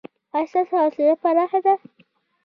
ایا ستاسو حوصله پراخه ده؟